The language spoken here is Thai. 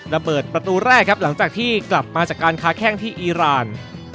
ระเบิดประตูแรกครับหลังจากที่กลับมาจากการค้าแข้งที่อีราน